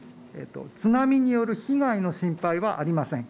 津波による被害の心配はありません。